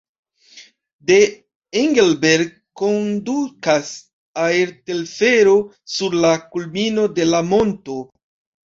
De Engelberg kondukas aertelfero sur la kulmino de la monto.